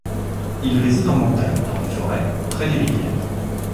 Il réside en montagne, dans les forêts, près des rivières.